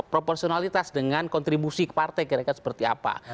proporsionalitas dengan kontribusi ke partai kira kira seperti apa